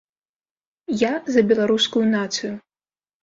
Я за беларускую нацыю.